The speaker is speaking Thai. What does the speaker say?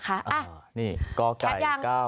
อะแคปอย่างอ่านี่ก็ไก่๙๕๑๔